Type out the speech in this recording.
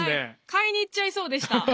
買いに行っちゃいそうでした。